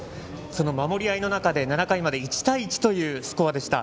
守り合いの中で７回まで１対１というスコアでした。